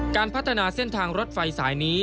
การพัฒนาเส้นทางรถไฟสายนี้